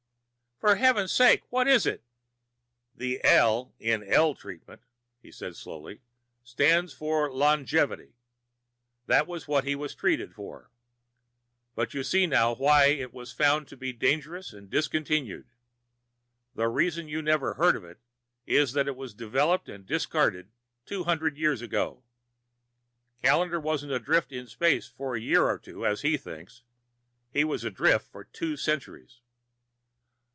"For heaven's sake, what is it?" "The L in L treatment," he said slowly, "stands for longevity. That was what he was treated for. But you see now why it was found to be dangerous and discontinued. The reason you never heard of it is that it was developed and discarded two hundred years ago. Callendar wasn't adrift in space for a year or two, as he thinks. He was adrift for two centuries."